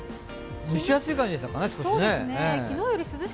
蒸し暑い感じでしたかね、少し。